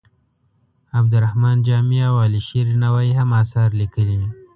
عبدالرحمان جامي او علي شیر نوایې هم اثار لیکلي.